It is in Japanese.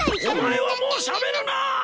お前はもうしゃべるな！